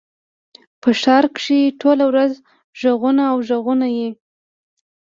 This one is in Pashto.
په ښار کښي ټوله ورځ ږغونه او ږغونه يي.